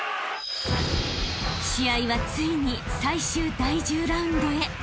［試合はついに最終第１０ラウンドへ］